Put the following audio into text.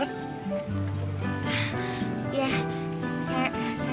makasih udah nolongin